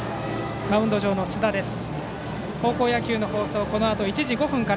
マウンド上の須田です。